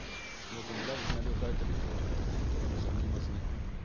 もうその裏でシナリオを書いてる人がいると私は思いますね。